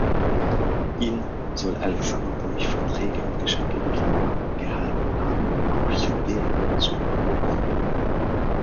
Ihn soll Alexandra „durch Verträge und Geschenke“ davon abgehalten haben, auch Judäa zu erobern.